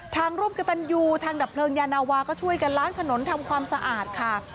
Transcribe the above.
ร่วมกับตันยูทางดับเพลิงยานาวาก็ช่วยกันล้างถนนทำความสะอาดค่ะ